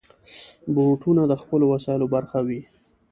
بوټونه د خپلو وسایلو برخه وي.